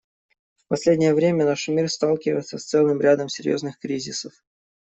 В последнее время наш мир сталкивается с целым рядом серьезных кризисов.